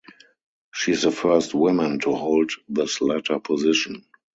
She is the first woman to hold this latter position.